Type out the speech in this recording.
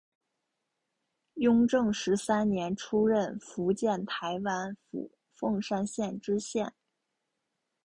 雍正十三年出任福建台湾府凤山县知县。